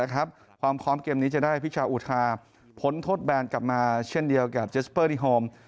ความพร้อมเกมนี้จะได้พิชาอุทาพ้นโทษแบนกลับมาเช่นเดียวกับเจสเปอร์ดีโฮม